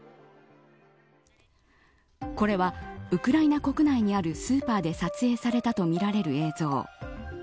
これは、ウクライナ国内にあるスーパーで撮影されたとみられる映像。